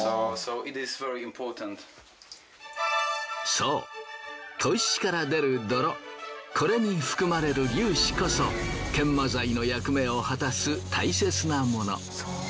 そう砥石から出る泥これに含まれる粒子こそ研磨剤の役目を果たす大切なもの。